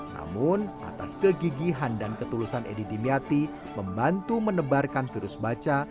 namun atas kegigihan dan ketulusan edi dimyati membantu menebarkan virus baca